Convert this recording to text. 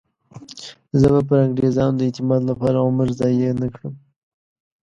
زه به پر انګریزانو د اعتماد لپاره عمر ضایع نه کړم.